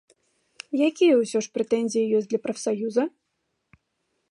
Якія ўсё ж такі прэтэнзіі ёсць да прафсаюза?